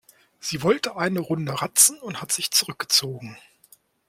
Sie wollte eine Runde ratzen und hat sich zurückgezogen.